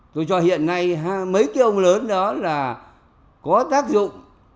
tôi cho hiện nay mấy cái ông lớn đó là có tác dụng